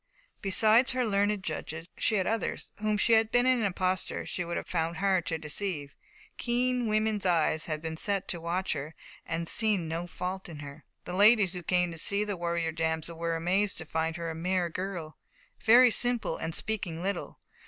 Besides her learned judges, she had others, whom had she been an impostor, she would have found hard to deceive. Keen women's eyes had been set to watch her, and had seen no fault in her. The ladies who came to see the warrior damsel were amazed to find her a mere girl, "very simple, and speaking little."